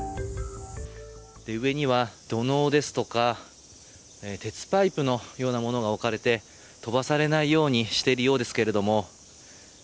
上には、土のうですとか鉄パイプのような物が置かれて飛ばされないようにしているようですが。